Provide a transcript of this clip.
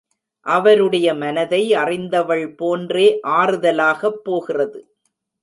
அவருடைய மனதை அறிந்தவள் போன்றே ஆறுதலாக, போகிறது.